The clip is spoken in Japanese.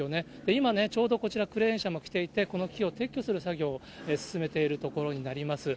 今ね、ちょうどこちら、クレーン車も来ていて、この木を撤去する作業を進めているところになります。